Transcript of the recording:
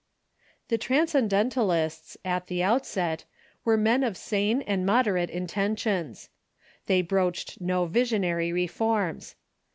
The Transcendentalists, at the outset, were men of sane and moderate intentions. They broached no visionary reforms.